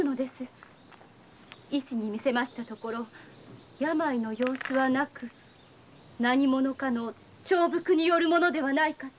医師に診せましたところ病の様子はなく何者かの調伏によるものではないかと。